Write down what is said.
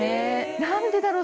何でだろう？